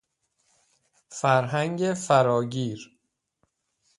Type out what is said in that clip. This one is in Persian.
فرهنگ فراگیر